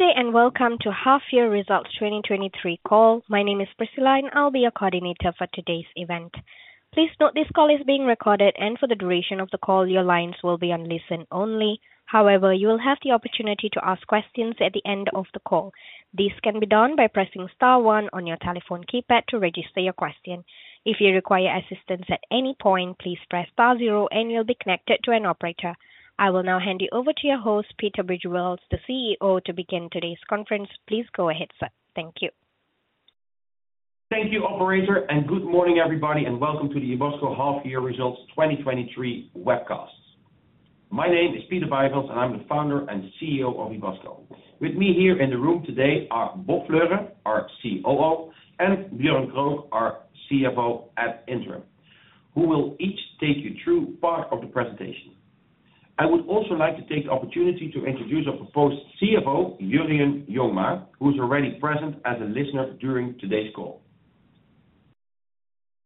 Good day. Welcome to Half Year Results 2023 Call. My name is Priscilla, and I'll be your coordinator for today's event. Please note, this call is being recorded, and for the duration of the call, your lines will be on listen-only. However, you will have the opportunity to ask questions at the end of the call. This can be done by pressing star one on your telephone keypad to register your question. If you require assistance at any point, please press star zero and you'll be connected to an operator. I will now hand you over to your host, Peter Bijvelds, the CEO, to begin today's conference. Please go ahead, sir. Thank you. Thank you, operator, and good morning, everybody, and welcome to the Ebusco Half Year Results 2023 Webcast. My name is Peter Bijvelds, and I'm the founder and CEO of Ebusco. With me here in the room today are Bob Fleuren, our COO, and Björn Krook, our CFO at Interim, who will each take you through part of the presentation. I would also like to take the opportunity to introduce our proposed CFO, Jurjen Jongma, who's already present as a listener during today's call.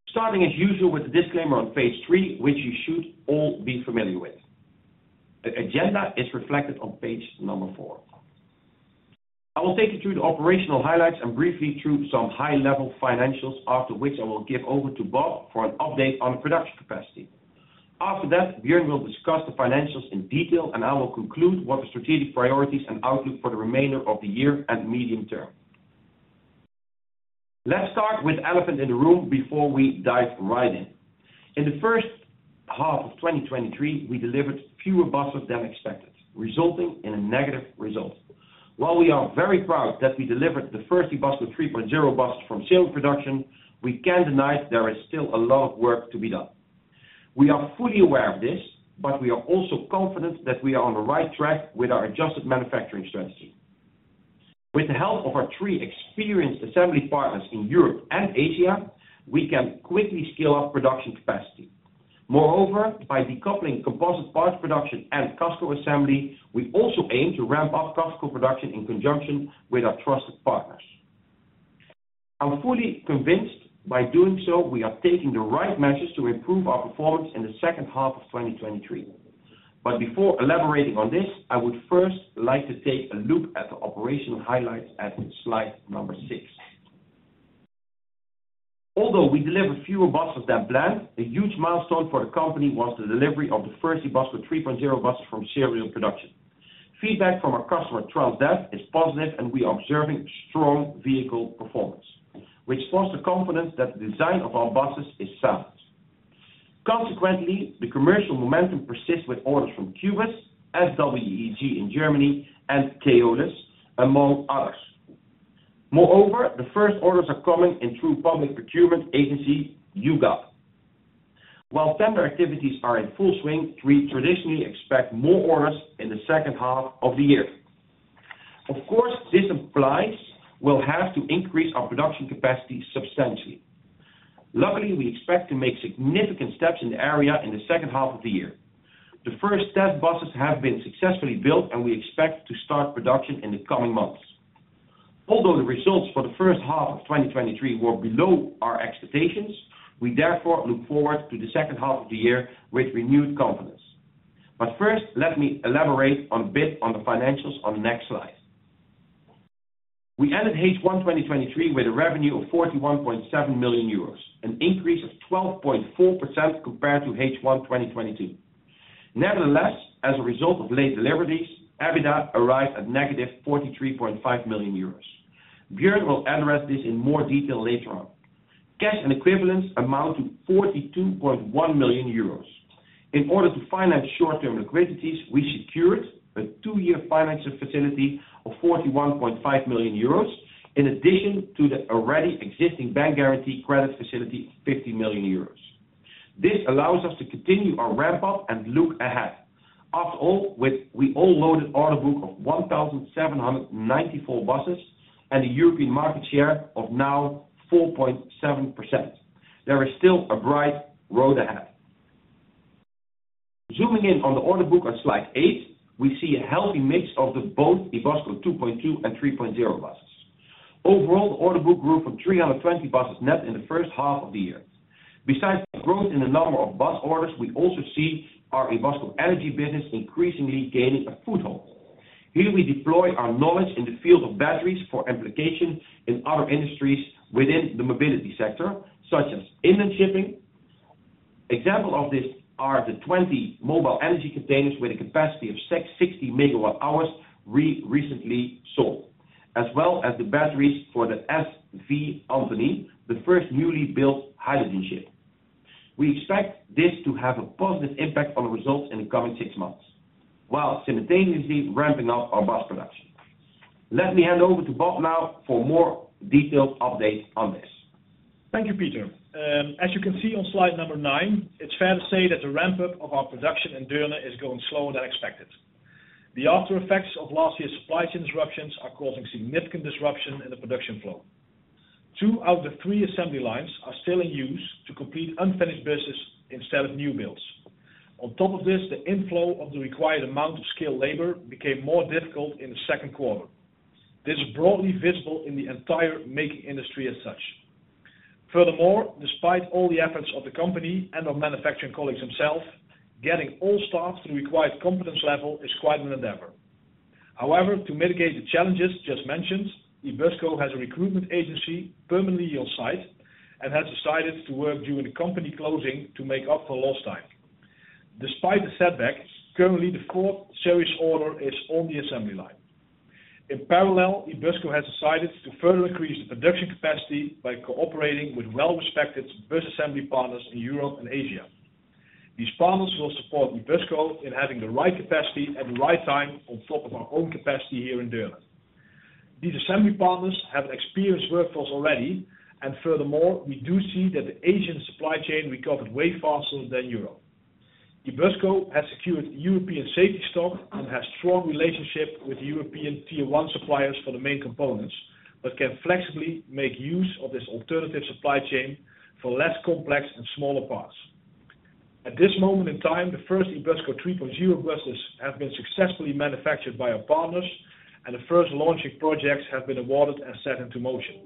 Starting as usual with the disclaimer on page 3, which you should all be familiar with. The agenda is reflected on page number four. I will take you through the operational highlights and briefly through some high-level financials, after which I will give over to Bob for an update on the production capacity. After that, Björn will discuss the financials in detail, and I will conclude what the strategic priorities and outlook for the remainder of the year and medium term. Let's start with elephant in the room before we dive right in. In the first half of 2023, we delivered fewer buses than expected, resulting in a negative result. While we are very proud that we delivered the first Ebusco 3.0 bus from series production, we can't deny there is still a lot of work to be done. We are fully aware of this, but we are also confident that we are on the right track with our adjusted manufacturing strategy. With the help of our three experienced assembly partners in Europe and Asia, we can quickly scale up production capacity. Moreover, by decoupling composite parts production and customer assembly, we also aim to ramp up customer production in conjunction with our trusted partners. I'm fully convinced by doing so, we are taking the right measures to improve our performance in the second half of 2023. Before elaborating on this, I would first like to take a look at the operational highlights at slide number six. Although we delivered fewer buses than planned, a huge milestone for the company was the delivery of the first Ebusco 3.0 bus from series production. Feedback from our customer Transdev is positive, and we are observing strong vehicle performance, which forms the confidence that the design of our buses is sound. Consequently, the commercial momentum persists with orders from Qbuzz, SWEG in Germany, and Keolis, among others. Moreover, the first orders are coming in through public procurement agency, UGAP. While tender activities are in full swing, we traditionally expect more orders in the second half of the year. Of course, this implies we'll have to increase our production capacity substantially. Luckily, we expect to make significant steps in the area in the second half of the year. The first step, buses, have been successfully built, and we expect to start production in the coming months. Although the results for the first half of 2023 were below our expectations, we therefore look forward to the second half of the year with renewed confidence. First, let me elaborate on a bit on the financials on the next slide. We ended H1 2023 with a revenue of 41.7 million euros, an increase of 12.4% compared to H1 2022. Nevertheless, as a result of late deliveries, EBITDA arrived at negative 43.5 million euros. Björn will address this in more detail later on. Cash and equivalents amount to 42.1 million euros. In order to finance short-term liquidities, we secured a two-year financial facility of 41.5 million euros, in addition to the already existing bank guarantee credit facility, 50 million euros. This allows us to continue our ramp-up and look ahead. After all, with we all loaded order book of 1,794 buses and a European market share of now 4.7%, there is still a bright road ahead. Zooming in on the order book on slide eight, we see a healthy mix of the both Ebusco 2.2 and 3.0 buses. Overall, the order book grew from 320 buses net in the first half of the year. Besides the growth in the number of bus orders, we also see our Ebusco energy business increasingly gaining a foothold. Here we deploy our knowledge in the field of batteries for implication in other industries within the mobility sector, such as inland shipping. Example of this are the 20 mobile energy containers with a capacity of 660 MWh we recently sold, as well as the batteries for the MS Antonie, the first newly built hydrogen ship. We expect this to have a positive impact on the results in the coming 6 months, while simultaneously ramping up our bus production. Let me hand over to Bob now for more detailed update on this. Thank you, Pieter. As you can see on slide number nine, it's fair to say that the ramp-up of our production in Deurne is going slower than expected. The after effects of last year's supply chain disruptions are causing significant disruption in the production flow. Two out of the three assembly lines are still in use to complete unfinished business instead of new builds. On top of this, the inflow of the required amount of skilled labor became more difficult in the second quarter. This is broadly visible in the entire making industry as such. ... Furthermore, despite all the efforts of the company and our manufacturing colleagues themselves, getting all staff to the required competence level is quite an endeavor. However, to mitigate the challenges just mentioned, Ebusco has a recruitment agency permanently on site and has decided to work during the company closing to make up for lost time. Despite the setbacks, currently, the fourth series order is on the assembly line. In parallel, Ebusco has decided to further increase the production capacity by cooperating with well-respected bus assembly partners in Europe and Asia. These partners will support Ebusco in having the right capacity at the right time on top of our own capacity here in Deurne. These assembly partners have an experienced workforce already, and furthermore, we do see that the Asian supply chain recovered way faster than Europe. Ebusco has secured European safety stock and has strong relationship with European tier one suppliers for the main components, but can flexibly make use of this alternative supply chain for less complex and smaller parts. At this moment in time, the first Ebusco 3.0 buses have been successfully manufactured by our partners. The first launching projects have been awarded and set into motion.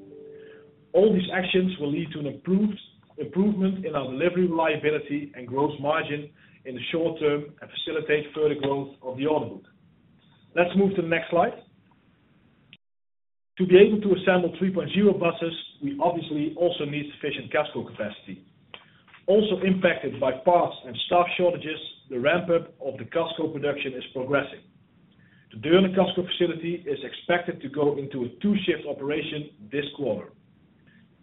All these actions will lead to an improvement in our delivery reliability and growth margin in the short term and facilitate further growth of the order book. Let's move to the next slide. To be able to assemble Ebusco 3.0 buses, we obviously also need sufficient casco capacity. Also impacted by parts and staff shortages, the ramp-up of the casco production is progressing. The Deurne casco facility is expected to go into a 2-shift operation this quarter.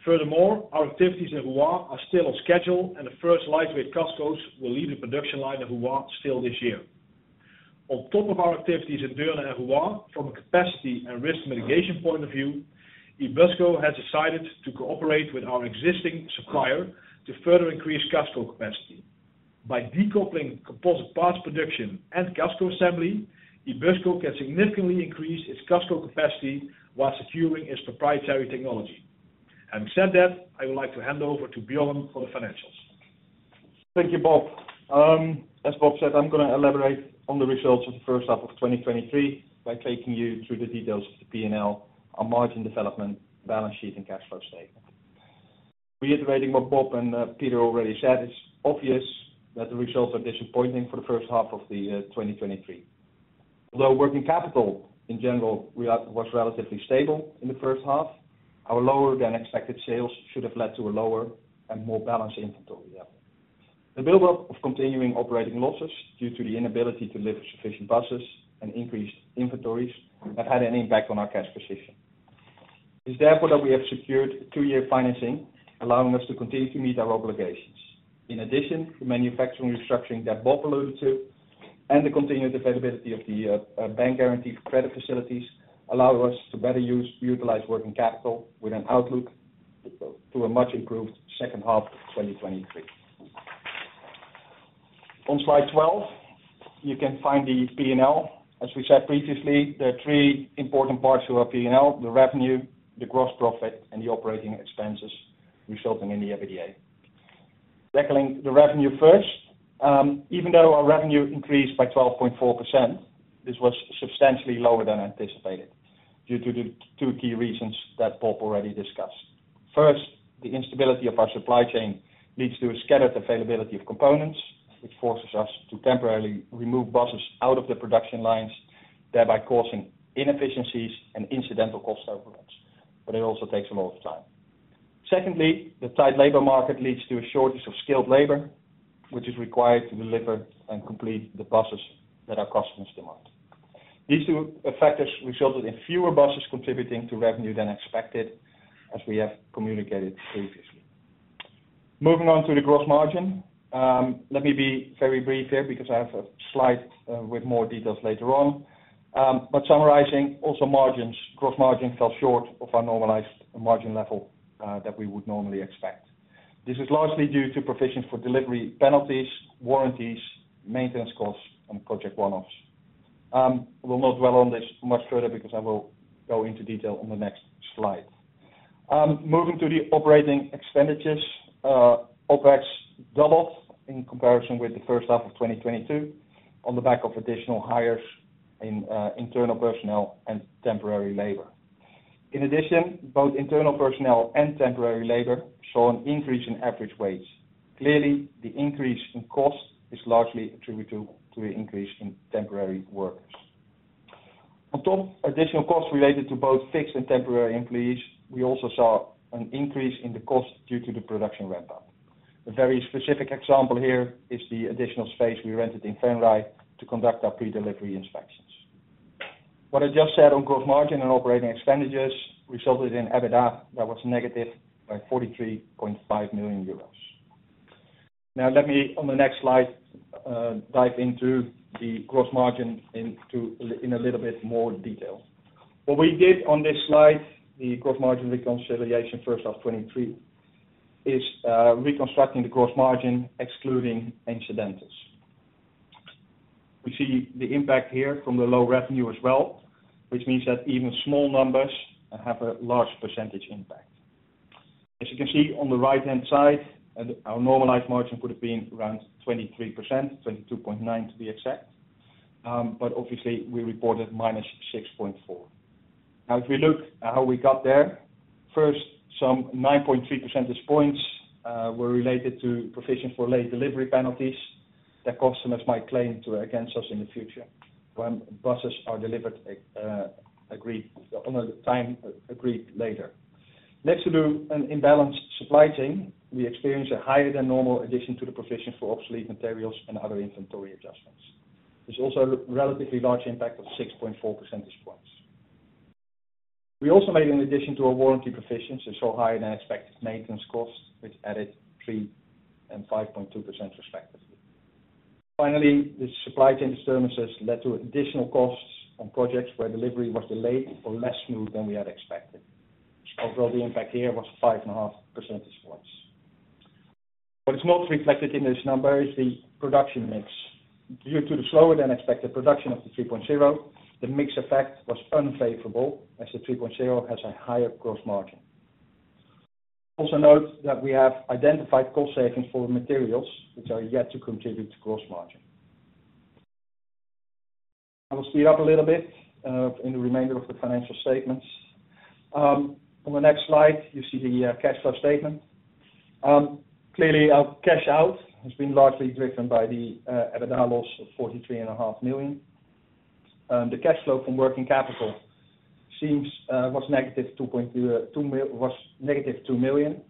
Furthermore, our activities in Rouen are still on schedule, and the first lightweight cascos will leave the production line of Rouen still this year. On top of our activities in Deurne and Rouen, from a capacity and risk mitigation point of view, Ebusco has decided to cooperate with our existing supplier to further increase casco capacity. By decoupling composite parts production and casco assembly, Ebusco can significantly increase its casco capacity while securing its proprietary technology. Having said that, I would like to hand over to Björn for the financials. Thank you, Bob. As Bob said, I'm going to elaborate on the results of the first half of 2023 by taking you through the details of the P&L, our margin development, balance sheet, and cash flow statement. Reiterating what Bob and Peter already said, it's obvious that the results are disappointing for the first half of 2023. Although working capital, in general, was relatively stable in the first half, our lower than expected sales should have led to a lower and more balanced inventory level. The build-up of continuing operating losses due to the inability to deliver sufficient buses and increased inventories have had an impact on our cash position. It's therefore that we have secured two-year financing, allowing us to continue to meet our obligations. In addition, the manufacturing restructuring that Bob alluded to and the continued availability of the bank guarantee for credit facilities allow us to better utilize working capital with an outlook to a much improved second half of 2023. On slide 12, you can find the P&L. As we said previously, there are three important parts to our P&L: the revenue, the gross profit, and the operating expenses, resulting in the EBITDA. Tackling the revenue first, even though our revenue increased by 12.4%, this was substantially lower than anticipated due to the two key reasons that Bob already discussed. First, the instability of our supply chain leads to a scattered availability of components, which forces us to temporarily remove buses out of the production lines, thereby causing inefficiencies and incidental cost overruns, but it also takes a lot of time. Secondly, the tight labor market leads to a shortage of skilled labor, which is required to deliver and complete the buses that our customers demand. These two factors resulted in fewer buses contributing to revenue than expected, as we have communicated previously. Moving on to the gross margin, let me be very brief here because I have a slide with more details later on. Summarizing, also margins, gross margins fell short of our normalized margin level that we would normally expect. This is largely due to provisions for delivery penalties, warranties, maintenance costs, and project one-offs. We'll not dwell on this much further because I will go into detail on the next slide. Moving to the operating expenditures, OpEx doubled in comparison with the first half of 2022 on the back of additional hires in internal personnel and temporary labor. In addition, both internal personnel and temporary labor saw an increase in average wage. Clearly, the increase in cost is largely attributed to the increase in temporary workers. On top of additional costs related to both fixed and temporary employees, we also saw an increase in the cost due to the production ramp-up. A very specific example here is the additional space we rented in Venray to conduct our pre-delivery inspections. What I just said on gross margin and operating expenditures resulted in EBITDA that was negative by 43.5 million euros. Let me, on the next slide, dive into the gross margin in a little bit more detail. What we did on this slide, the gross margin reconciliation first half 2023, is reconstructing the gross margin, excluding incidentals. We see the impact here from the low revenue as well, which means that even small numbers have a large percentage impact. As you can see on the right-hand side, and our normalized margin would have been around 23%, 22.9%, to be exact. Obviously we reported -6.4%. Now, if we look at how we got there, first, some 9.3 percentage points were related to provision for late delivery penalties that customers might claim to, against us in the future when buses are delivered, agreed, on a time agreed later. Next to do an imbalanced supply chain, we experience a higher than normal addition to the provision for obsolete materials and other inventory adjustments. There's also a relatively large impact of 6.4 percentage points. We also made an addition to our warranty provisions, which saw higher than expected maintenance costs, which added 3% and 5.2% respectively. Finally, the supply chain disturbances led to additional costs on projects where delivery was delayed or less smooth than we had expected. Overall, the impact here was 5.5 percentage points. What is not reflected in this number is the production mix. Due to the slower than expected production of the Ebusco 3.0, the mix effect was unfavorable, as the Ebusco 3.0 has a higher gross margin. Also note that we have identified cost savings for materials, which are yet to contribute to gross margin. I will speed up a little bit in the remainder of the financial statements. On the next slide, you see the cash flow statement. Clearly our cash out has been largely driven by the EBITDA loss of 43.5 million. The cash flow from working capital was negative 2 million.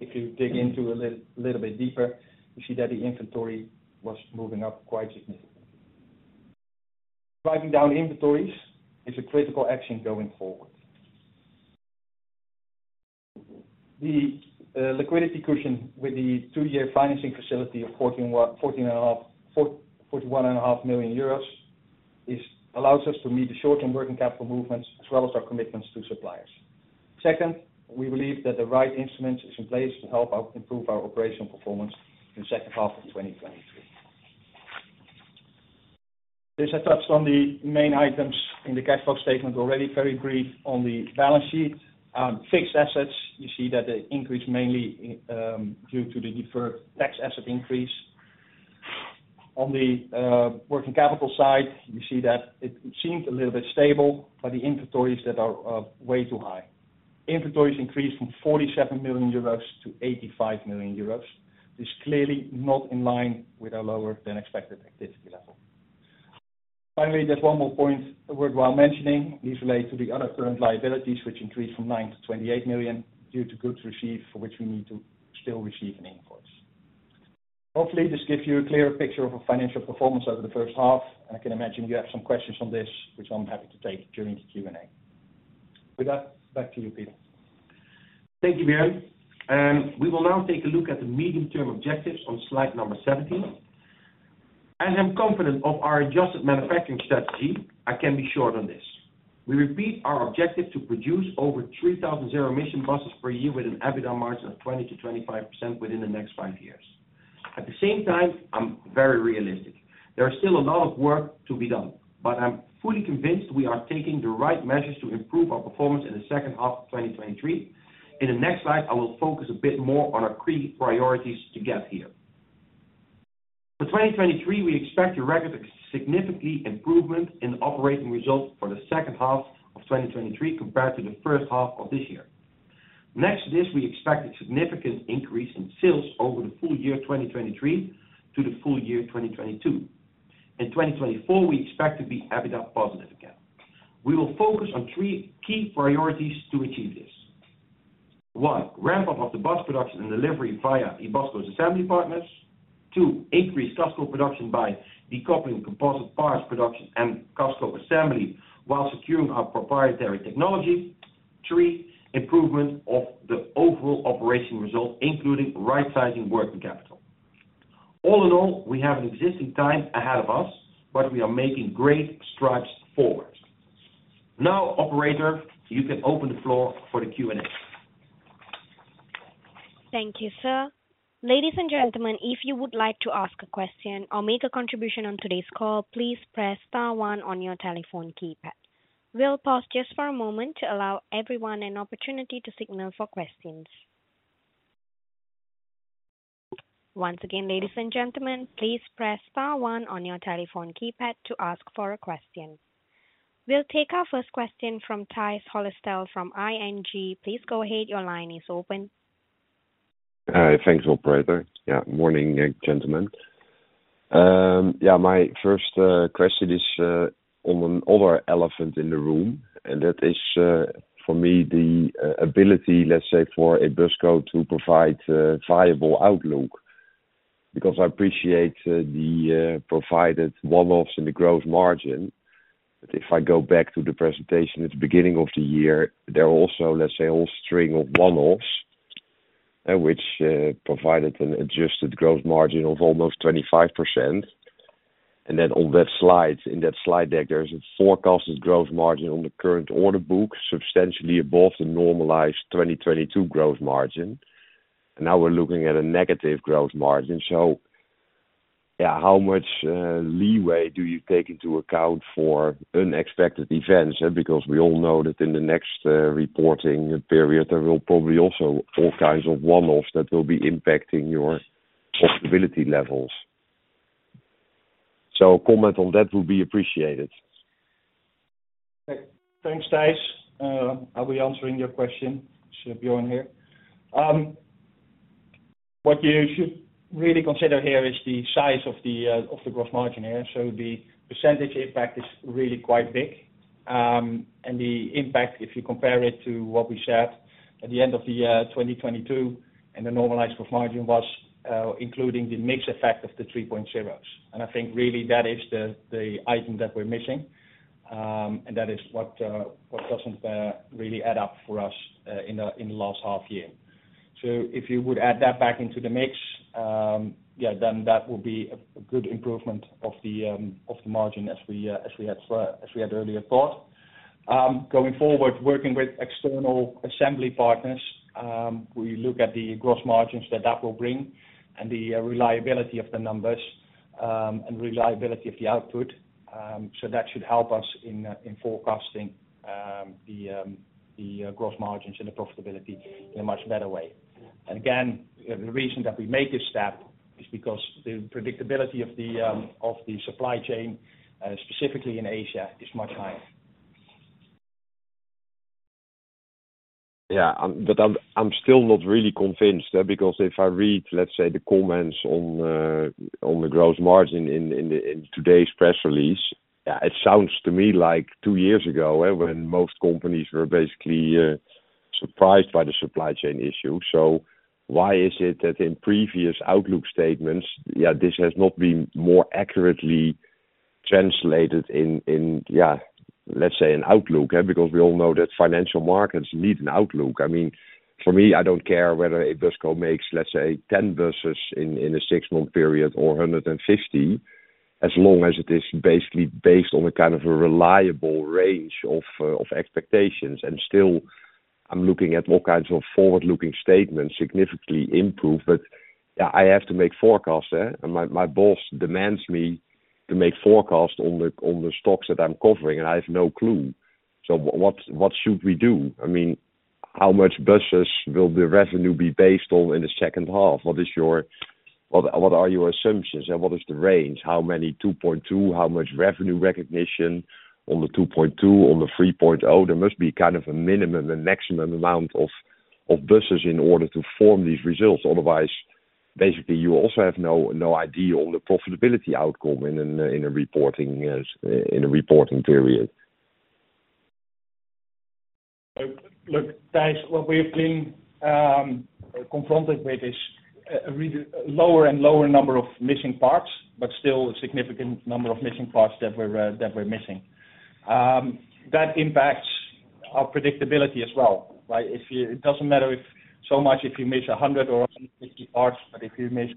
If you dig into a little bit deeper, you see that the inventory was moving up quite significantly. Driving down inventories is a critical action going forward. The liquidity cushion with the two-year financing facility of 41.5 million euros, is allows us to meet the short-term working capital movements, as well as our commitments to suppliers. Second, we believe that the right instruments is in place to help out improve our operational performance in the second half of 2023. This I touched on the main items in the cash flow statement already, very brief on the balance sheet. Fixed assets, you see that they increase mainly due to the deferred tax asset increase. On the working capital side, you see that it, it seems a little bit stable, but the inventories that are, are way too high. Inventories increased from 47 million euros to 85 million euros, is clearly not in line with our lower than expected activity level. Finally, there's one more point worthwhile mentioning, is related to the other current liabilities which increased from 9 million-28 million, due to goods received, for which we need to still receive an invoice. Hopefully, this gives you a clearer picture of our financial performance over the first half, and I can imagine you have some questions on this, which I'm happy to take during the Q&A. With that, back to you, Peter. Thank you, Björn. We will now take a look at the medium-term objectives on slide number 17. I am confident of our adjusted manufacturing strategy. I can be short on this. We repeat our objective to produce over 3,000 zero emission buses per year with an EBITDA margin of 20%-25% within the next five years. At the same time, I'm very realistic. There are still a lot of work to be done, but I'm fully convinced we are taking the right measures to improve our performance in the second half of 2023. In the next slide, I will focus a bit more on our key priorities to get here. For 2023, we expect to record a significantly improvement in operating results for the second half of 2023, compared to the first half of this year. Next to this, we expect a significant increase in sales over the full year 2023 to the full year 2022. In 2024, we expect to be EBITDA positive again. We will focus on three key priorities to achieve this. One, ramp-up of the bus production and delivery via Ebusco's assembly partners. Two, increase customer production by decoupling composite parts production and customer assembly, while securing our proprietary technology. Three, improvement of the overall operation result, including right-sizing working capital. All in all, we have an existing time ahead of us, but we are making great strides forward. Now, operator, you can open the floor for the Q&A. Thank you, sir. Ladies and gentlemen, if you would like to ask a question or make a contribution on today's call, please press star one on your telephone keypad. We'll pause just for a moment to allow everyone an opportunity to signal for questions. Once again, ladies and gentlemen, please press star one on your telephone keypad to ask for a question. We'll take our first question from Tijs Hollestelle from ING. Please go ahead. Your line is open. Thanks, operator. Morning, gentlemen. My first question is on other elephant in the room, and that is for me, the ability, let's say, for Ebusco to provide a viable outlook, because I appreciate the provided one-offs and the growth margin. If I go back to the presentation at the beginning of the year, there are also, let's say, a whole string of one-offs, which provided an adjusted growth margin of almost 25%. On that slide, in that slide deck, there is a forecasted growth margin on the current order book, substantially above the normalized 2022 growth margin. Now we're looking at a negative growth margin. How much leeway do you take into account for unexpected events? We all know that in the next reporting period, there will probably also all kinds of one-offs that will be impacting your profitability levels. A comment on that will be appreciated. Thanks, Tijs. I'll be answering your question. It's Bjorn here. What you should really consider here is the size of the gross margin here. The percentage impact is really quite big. The impact, if you compare it to what we said at the end of 2022, and the normalized gross margin was including the mix effect of the 3.0s. I think really that is the item that we're missing. That is what doesn't really add up for us in the last half year. If you would add that back into the mix, yeah, then that would be a good improvement of the margin as we had earlier thought. Going forward, working with external assembly partners, we look at the gross margins that that will bring and the reliability of the numbers, and reliability of the output. That should help us in forecasting the gross margins and the profitability in a much better way. Again, the reason that we make this step is because the predictability of the supply chain, specifically in Asia, is much higher. Yeah, but I'm, I'm still not really convinced, because if I read, let's say, the comments on the, on the gross margin in, in the, in today's press release, yeah, it sounds to me like two years ago, when most companies were basically surprised by the supply chain issue. Why is it that in previous outlook statements, yeah, this has not been more accurately translated in, in, yeah, let's say, an outlook, because we all know that financial markets need an outlook. I mean, for me, I don't care whether a bus co makes, let's say, 10 buses in, in a six-month period or 150, as long as it is basically based on a kind of a reliable range of expectations. Still, I'm looking at all kinds of forward-looking statements, significantly improved. Yeah, I have to make forecasts, yeah. My, my boss demands me to make forecasts on the, on the stocks that I'm covering, and I have no clue. What, what should we do? I mean, how much buses will the revenue be based on in the second half? What, what are your assumptions, and what is the range? How many 2.2, how much revenue recognition on the 2.2, on the 3.0? There must be kind of a minimum and maximum amount of, of buses in order to form these results. Otherwise, basically, you also have no, no idea on the profitability outcome in a reporting, in a reporting period. Look, Tijs, what we've been confronted with is a lower and lower number of missing parts, but still a significant number of missing parts that we're that we're missing. That impacts our predictability as well, right? It doesn't matter if, so much if you miss 100 or 150 parts, but if you miss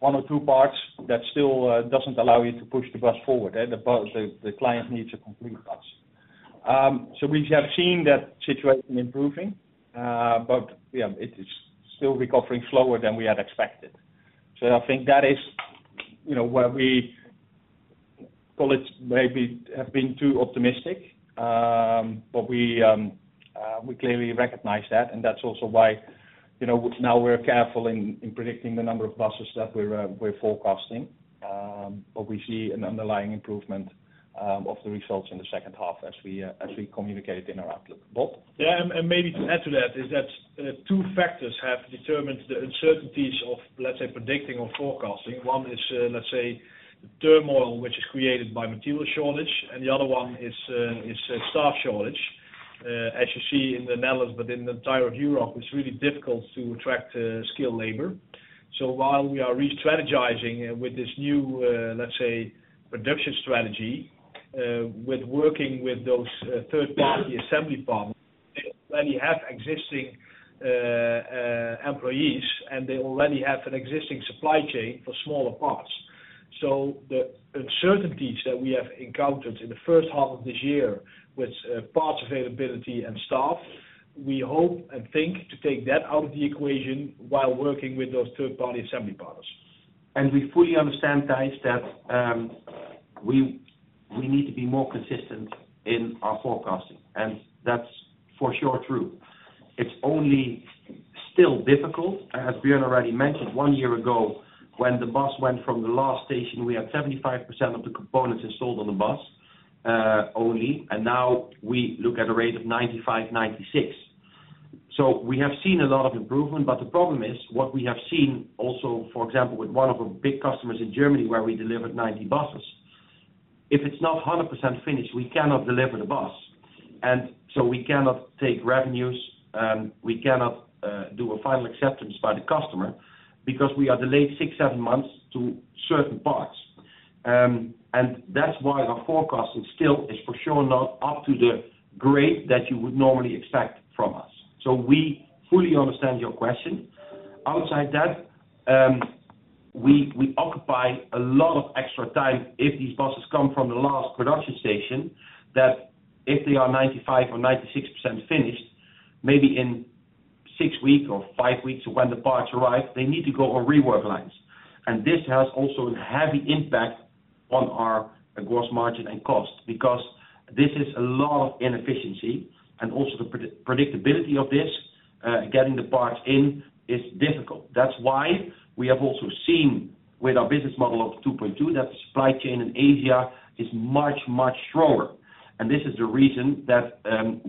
1 or 2 parts, that still doesn't allow you to push the bus forward, and the client needs a complete bus. We have seen that situation improving, but, yeah, it is still recovering slower than we had expected. I think that is, you know, where we call it, maybe have been too optimistic. We, we clearly recognize that, and that's also why, you know, now we're careful in, in predicting the number of buses that we're, we're forecasting. We see an underlying improvement of the results in the second half as we, as we communicate in our outlook. Bob? Yeah, maybe to add to that, is that, two factors have determined the uncertainties of, let's say, predicting or forecasting. One is, let's say, turmoil, which is created by material shortage, and the other one is, is a staff shortage. As you see in the Netherlands, but in the entire of Europe, it's really difficult to attract skilled labor. While we are re-strategizing with this new, let's say, production strategy, with working with those third-party assembly partners, they already have existing employees, and they already have an existing supply chain for smaller parts. The uncertainties that we have encountered in the first half of this year with parts availability and staff, we hope and think to take that out of the equation while working with those third-party assembly partners. We fully understand, Tijs, that we, we need to be more consistent in our forecasting, and that's for sure true. It's only still difficult, as Björn already mentioned, one year ago, when the bus went from the last station, we had 75% of the components installed on the bus only, and now we look at a rate of 95%, 96%. We have seen a lot of improvement, but the problem is, what we have seen also, for example, with one of our big customers in Germany, where we delivered 90 buses, if it's not 100% finished, we cannot deliver the bus. We cannot take revenues, we cannot do a final acceptance by the customer because we are delayed six, seven months to certain parts. That's why the forecast is still, is for sure not up to the grade that you would normally expect from us. We fully understand your question. Outside that, we, we occupy a lot of extra time if these buses come from the last production station, that if they are 95% or 96% finished, maybe in six weeks or five weeks when the parts arrive, they need to go on rework lines. This has also a heavy impact on our gross margin and cost because this is a lot of inefficiency and also the predictability of this.... getting the parts in is difficult. That's why we have also seen with our business model of 2.2, that supply chain in Asia is much, much stronger. This is the reason that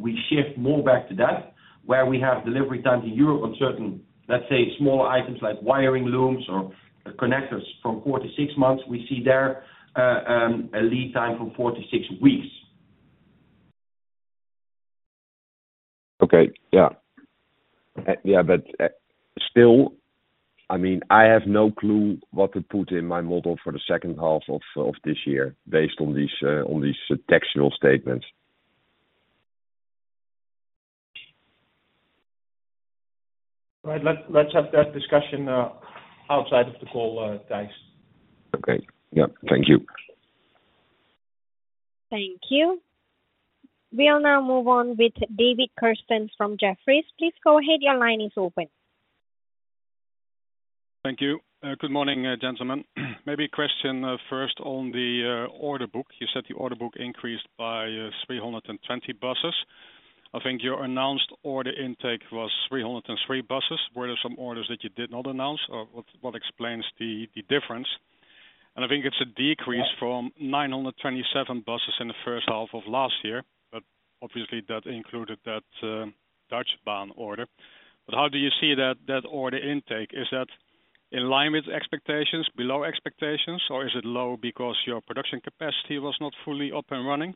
we shift more back to that, where we have delivery time to Europe on certain, let's say, smaller items like wiring looms or connectors from four-six months, we see there a lead time from four-six weeks. Okay, yeah. Still, I mean, I have no clue what to put in my model for the second half of this year based on these, on these textual statements. All right, let, let's have that discussion outside of the call, guys. Okay, yep. Thank you. Thank you. We'll now move on with David Kerstens from Jefferies. Please go ahead. Your line is open. Thank you. Good morning, gentlemen. Maybe a question first on the order book. You said the order book increased by 320 buses. I think your announced order intake was 303 buses. Were there some orders that you did not announce, or what, what explains the difference? I think it's a decrease from 927 buses in the first half of last year, but obviously, that included that Deutsche Bahn order. How do you see that order intake? Is that in line with expectations, below expectations, or is it low because your production capacity was not fully up and running?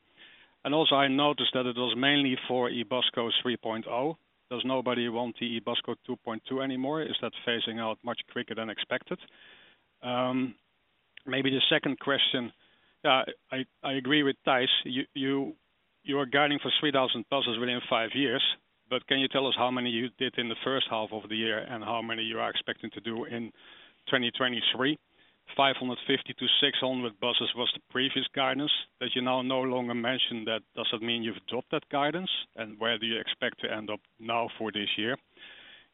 Also, I noticed that it was mainly for Ebusco 3.0. Does nobody want the Ebusco 2.2 anymore? Is that phasing out much quicker than expected? Maybe the second question. I, I agree with Thijs, you, you, you are guiding for 3,000 buses within five years, but can you tell us how many you did in the first half of the year, and how many you are expecting to do in 2023? 550-600 buses was the previous guidance. As you now no longer mention that, does it mean you've dropped that guidance? Where do you expect to end up now for this year?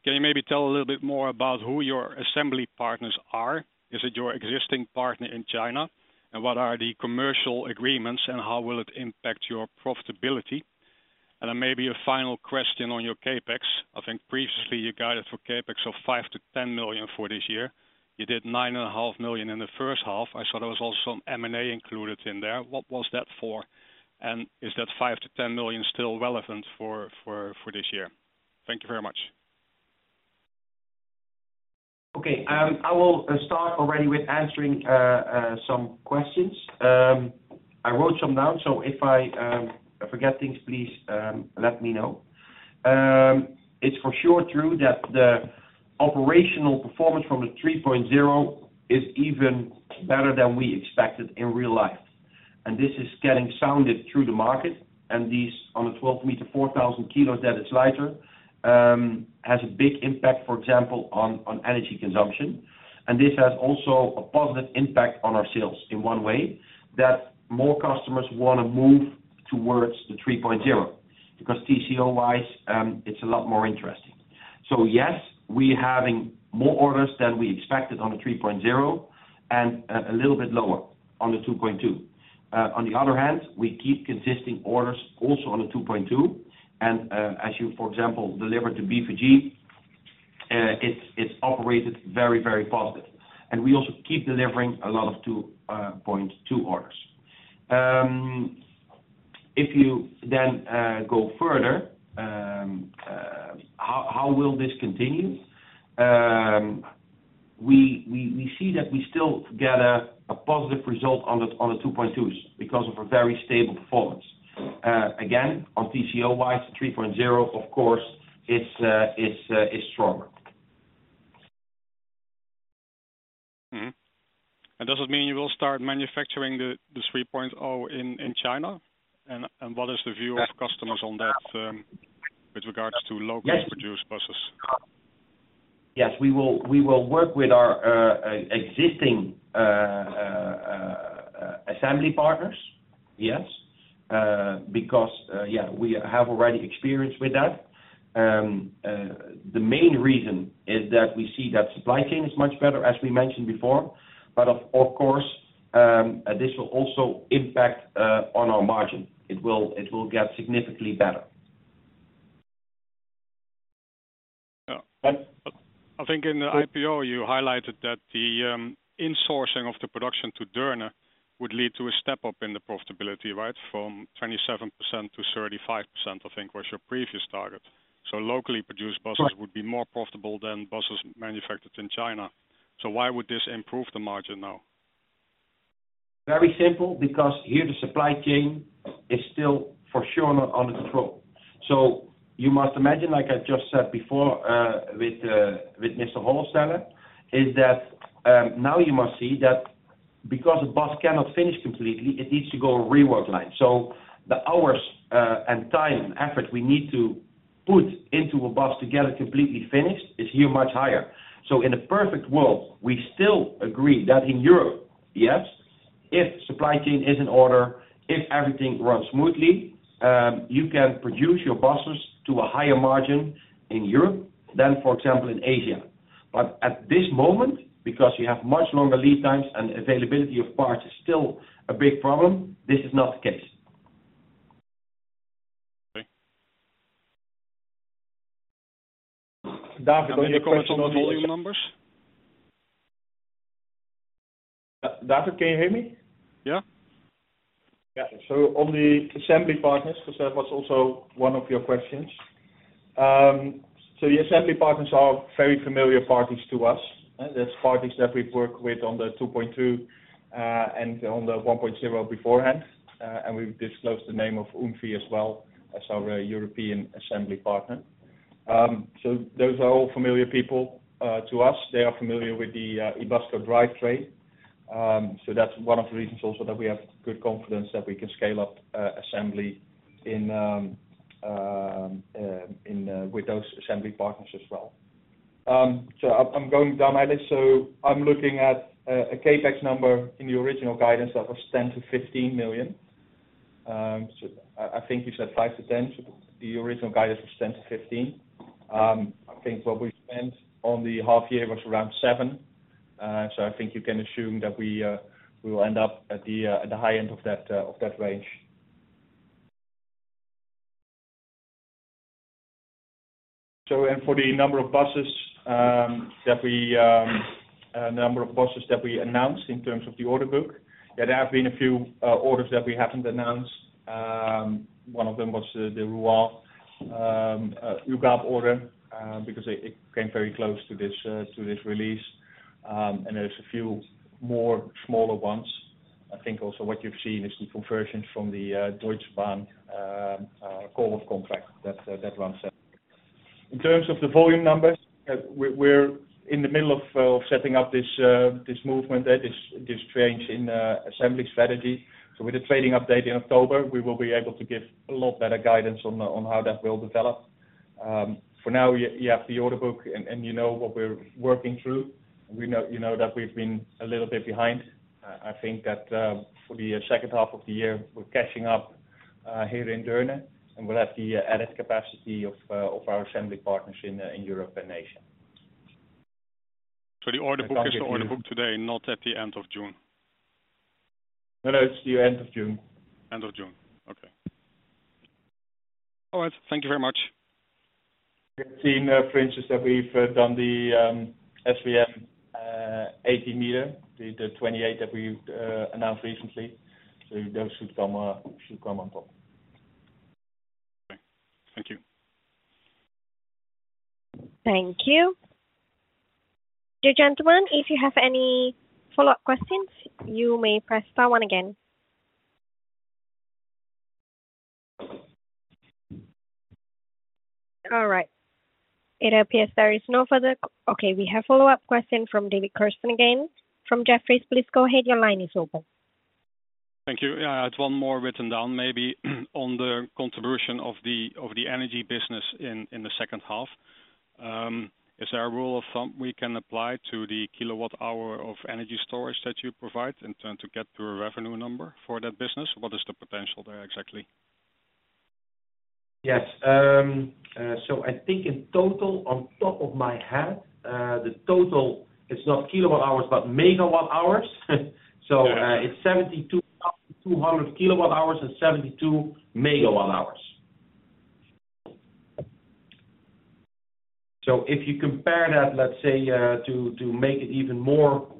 Can you maybe tell a little bit more about who your assembly partners are? Is it your existing partner in China? What are the commercial agreements, and how will it impact your profitability? Maybe a final question on your CapEx. I think previously you guided for CapEx of 5 million-10 million for this year. You did 9.5 million in the first half. I saw there was also some M&A included in there. What was that for? Is that 5 million-10 million still relevant for this year? Thank you very much. Okay, I will start already with answering some questions. I wrote some down, if I forget things, please let me know. It's for sure true that the operational performance from the 3.0 is even better than we expected in real life, and this is getting sounded through the market, and these on a 12 meters, 4,000 kilos, that it's lighter, has a big impact, for example, on energy consumption, and this has also a positive impact on our sales in one way: that more customers want to move towards the 3.0, because TCO-wise, it's a lot more interesting. Yes, we having more orders than we expected on the 3.0 and a little bit lower on the 2.2. On the other hand, we keep consistent orders also on the 2.2, as you, for example, deliver to BVG, it's, it's operated very, very positive. We also keep delivering a lot of 2.2 orders. If you then go further, how, how will this continue? We, we, we see that we still get a, a positive result on the, on the 2.2s because of a very stable performance. Again, on TCO-wise, 3.0, of course, it's, it's, is stronger. Mm-hmm. Does it mean you will start manufacturing the 3.0 in China? What is the view of customers on that with regards to locally produced buses? Yes, we will, we will work with our existing assembly partners, yes. Because, yeah, we have already experience with that. The main reason is that we see that supply chain is much better, as we mentioned before, but of course, this will also impact on our margin. It will, it will get significantly better. Yeah. And- I think in the IPO, you highlighted that the insourcing of the production to Deurne would lead to a step up in the profitability, right? From 27% to 35%, I think, was your previous target. Locally produced buses- Right. Would be more profitable than buses manufactured in China. Why would this improve the margin now? Very simple, because here the supply chain is still for sure not under control. You must imagine, like I just said before, with Mr. Hollestelle, is that now you must see that because a bus cannot finish completely, it needs to go a rework line. The hours, and time and effort we need to put into a bus to get it completely finished is here much higher. In a perfect world, we still agree that in Europe, yes, if supply chain is in order, if everything runs smoothly, you can produce your buses to a higher margin in Europe than, for example, in Asia. At this moment, because you have much longer lead times and availability of parts is still a big problem, this is not the case. David, any comments on the volume numbers? David, can you hear me? Yeah. Yeah, so on the assembly partners, because that was also one of your questions. The assembly partners are very familiar partners to us. There's partners that we've worked with on the 2.2 and on the 1.0 beforehand, and we've disclosed the name of [UMFI as well, as our European assembly partner. Those are all familiar people to us. They are familiar with the Ebusco drivetrain. That's one of the reasons also that we have good confidence that we can scale up assembly with those assembly partners as well. I'm, I'm going down my list. I'm looking at a CapEx number in the original guidance of 10 million-15 million. I, I think you said 5-10, the original guidance was 10-15. I think what we spent on the half year was around seven. I think you can assume that we will end up at the high end of that of that range. And for the number of buses, that we, number of buses that we announced in terms of the order book, there have been a few orders that we haven't announced. One of them was the, the Rouen UGAP order, because it came very close to this to this release. And there's a few more smaller ones. I think also what you've seen is the conversion from the Deutsche Bahn call off contract. That that one set. In terms of the volume numbers, we're, we're in the middle of setting up this, this movement, this, this change in assembly strategy. So with the trading update in October, we will be able to give a lot better guidance on how that will develop. For now, y- you have the order book and, and you know what we're working through. We know- you know that we've been a little bit behind. I think that, for the seoncd half of the year, we're catching up here in Deurne, and we'll have the added capacity of our assembly partners in Europe and Asia. The order book is the order book today, not at the end of June? No, no, it's the end of June. End of June. Okay. All right. Thank you very much. The team, for instance, that we've done the SWM, 80 meter, the, the 28 that we announced recently. Those should come, should come on top. Thank you. Thank you. Dear gentlemen, if you have any follow-up questions, you may press star one again. All right. It appears there is no further... Okay, we have a follow-up question from David Kerstens again, from Jefferies. Please go ahead. Your line is open. Thank you. Yeah, I had one more written down, maybe on the contribution of the, of the energy business in, in the second half. Is there a rule of thumb we can apply to the kilowatt hour of energy storage that you provide in turn to get to a revenue number for that business? What is the potential there, exactly? Yes. I think in total, off top of my head, the total is not kilowatt hours, but megawatt hours. It's 72,200 kWh and 72 MWh. If you compare that, let's say, to, to make it even more,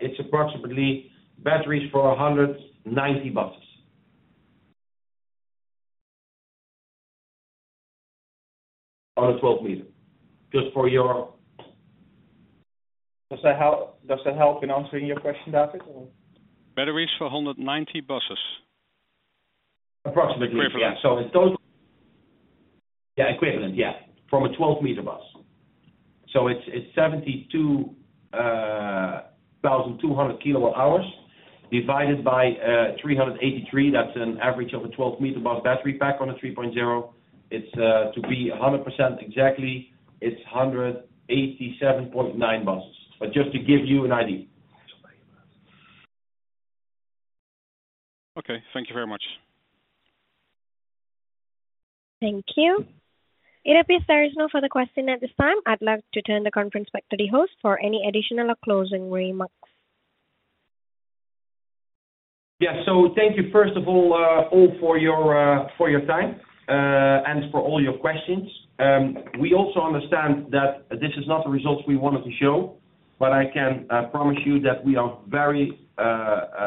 it's approximately batteries for 190 buses. On a 12 meter, just for your. Does that help, does that help in answering your question, David, or? Batteries for 190 buses. Approximately. Equivalent. Yeah, so a total- Yeah, equivalent, yeah, from a 12-meter bus. It's 72,200 kWh, divided by 383. That's an average of a 12-meter bus battery pack on an Ebusco 3.0. It's to be 100% exactly, it's 187.9 buses, but just to give you an idea. Okay, thank you very much. Thank you. It appears there is no further question at this time. I'd like to turn the conference back to the host for any additional or closing remarks. Thank you first of all, all for your, for your time, and for all your questions. We also understand that this is not the results we wanted to show, but I can promise you that we are very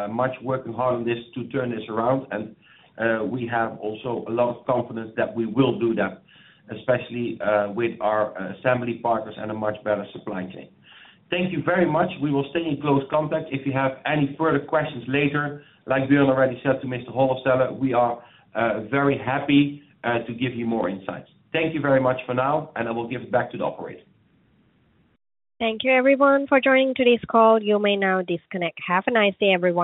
much working hard on this to turn this around, and we have also a lot of confidence that we will do that, especially with our assembly partners and a much better supply chain. Thank you very much. We will stay in close contact. If you have any further questions later, like Björn already said to Mr. Hollestelle, we are very happy to give you more insights. Thank you very much for now, and I will give it back to the operator. Thank you, everyone, for joining today's call. You may now disconnect. Have a nice day, everyone.